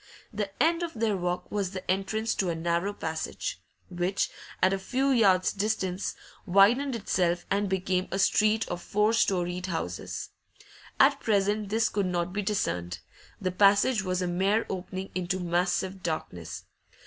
The end of their walk was the entrance to a narrow passage, which, at a few yards' distance, widened itself and became a street of four storeyed houses. At present this could not be discerned; the passage was a mere opening into massive darkness.